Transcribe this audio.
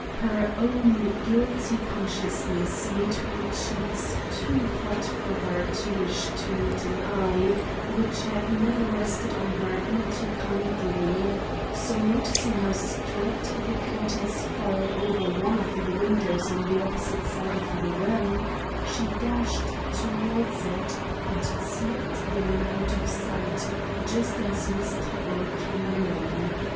Her own guilty consciousness made her cheeks too hot for her to wish to meet an eye which had never rested on her any too kindly; so noticing how straight the curtains fell over one of the windows on the opposite side of the room, she dashed toward it and slipped in out of sight just as Miss Tuttle came in.